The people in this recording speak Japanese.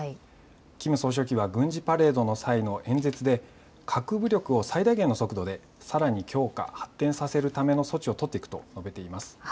キム総書記は軍事パレードの際の演説で核武力を最大限の速度でさらに強化、発展させるための措置を取っていくと述べています。